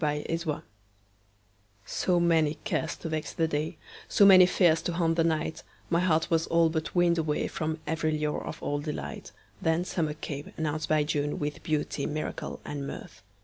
Summer Magic SO many cares to vex the day, So many fears to haunt the night, My heart was all but weaned awayFrom every lure of old delight. Then summer came, announced by June, With beauty, miracle and mirth.